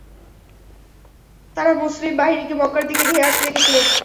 তারা মুসলিম বাহিনীকে মক্কার দিকে ধেয়ে আসতে দেখেছিল।